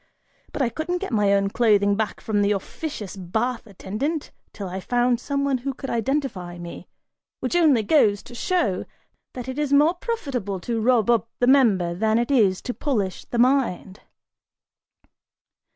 But I couldn't get my own clothing back from the officious bath attendant till I found some one who could identify me, which only goes to show that it is more profitable to rub up the member than it is to polish the mind!"